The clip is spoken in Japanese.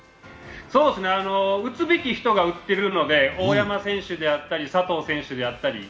打つべき人が打ってるので、大山選手であったり佐藤選手であったり。